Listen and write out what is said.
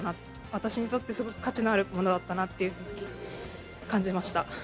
私にとって、すごく価値のあるものだったなと感じました。